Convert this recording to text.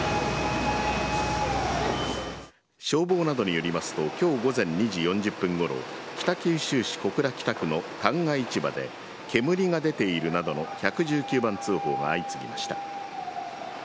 消防などによりますと、きょう午前２時４０分ごろ、北九州市小倉北区の旦過市場で、煙が出ているなどの１１９番通報が相次ぎました。